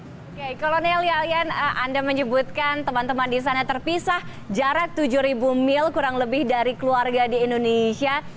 oke kolonel yalian anda menyebutkan teman teman di sana terpisah jarak tujuh mil kurang lebih dari keluarga di indonesia